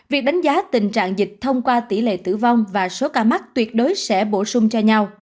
việc đánh giá tình trạng dịch thông qua tỷ lệ tử vong và số ca mắc tuyệt đối sẽ bổ sung cho nhau